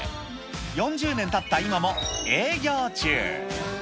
４０年たった今も営業中。